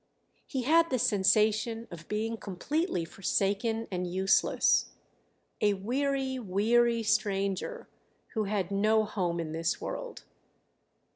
He had the sensation of being completely forsaken and useless, a weary, weary stranger who had no home in this world.